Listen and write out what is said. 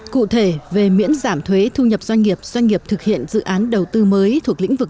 cụ thể về miễn giảm thuế thu nhập doanh nghiệp doanh nghiệp thực hiện dự án đầu tư mới thuộc lĩnh vực